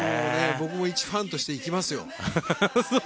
僕もいちファンとして行きますよ。